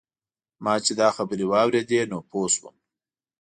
ما چې دا خبرې واورېدې نو پوی شوم.